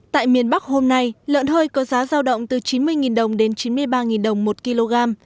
tại miền bắc hôm nay lợn hơi có giá giao động từ chín mươi đồng đến chín mươi đồng